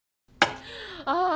あ